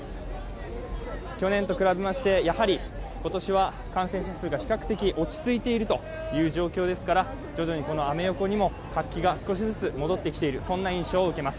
去年と比べまして、今年は感染者数が比較的落ち着いている状況ですから、徐々にアメ横にも活気が少しずつ戻ってきている、そんな印象を受けます。